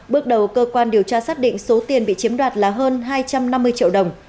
bước đầu cơ quan điều tra xác định số tiền bị chiếm đoạt là hơn hai trăm năm mươi triệu đồng